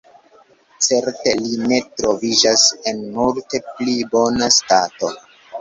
Certe li ne troviĝas en multe pli bona stato.